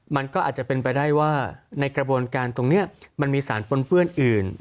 มันก็อาจจะเป็นไปได้ว่าในกระบวนการตรงนี้มันมีสารปนเปื้อนอื่น